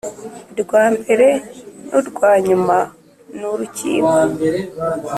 Rwa mbere n urwa nyuma n urukiko